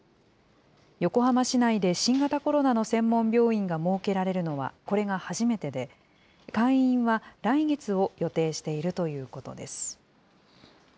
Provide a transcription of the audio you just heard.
横浜市内で新型コロナの専門病院が設けられるのは、これが初めてで、開院は来月を予定しているということです。